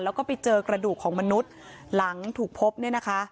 แล้วก็ไปเจอกระดูกของมนุษย์หลังถูกพบเนี่ยนะคะ